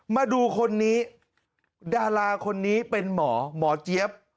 มาดูคนนี้ดาราคนนี้เป็นหมอหมอเจี๊ยบ